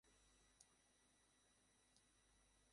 ইতোমধ্যে মুসাফির একটি পাহাড়ের পাদদেশে এসে পৌঁছান।